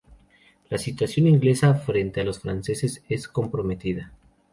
La situación inglesa frente a los franceses es comprometida.